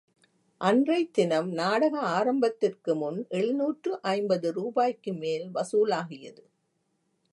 அன்றைத் தினம் நாடக ஆரம்பத்திற்கு முன் எழுநூற்று ஐம்பது ரூபாய்க்கு மேல் வசூலாகியது.